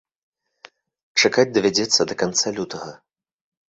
Чакаць давядзецца да канца лютага.